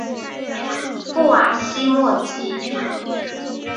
布瓦西莫吉。